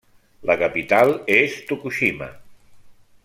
La capital és Tokushima.